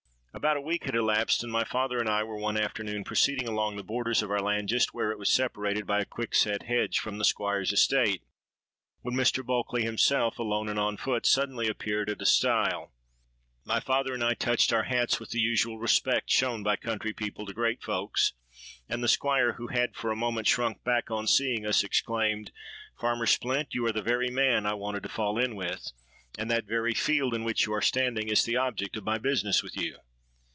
"About a week had elapsed, and my father and I were one afternoon proceeding along the borders of our land, just where it was separated by a quick set hedge from the Squire's estate, when Mr. Bulkeley himself, alone and on foot, suddenly appeared at a stile. My father and I touched our hats with the usual respect shown by country people to great folks; and the Squire, who had for a moment shrunk back on seeing us, exclaimed, 'Farmer Splint, you are the very man I wanted to fall in with; and that very field in which you are standing is the object of my business with you.'